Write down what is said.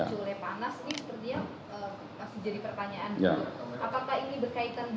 yang diculai panas ini seperti yang masih jadi pertanyaan dulu